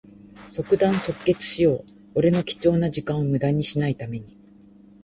即断即決しよう。俺の貴重な時間をむだにしない為に。